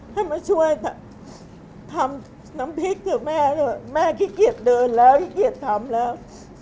ให้มาช่วยค่ะทำน้ำพริกกับแม่เถอะแม่ขี้เกียจเดินแล้วขี้เกียจทำแล้ว